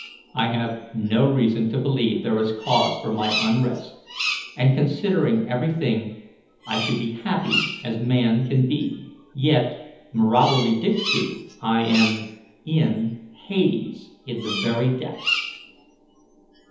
I have no reason to believe there is cause for my unrest, and, considering every thing, I should be happy as man can be; yet, mirabile dictu, I am in hades, in the very depths!"